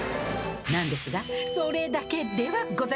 なんですがそれだけではございません。